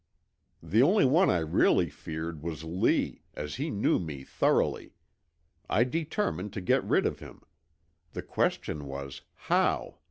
The only one I really feared was Lee, as he knew me thoroughly. I determined to get rid of him. The question was, how?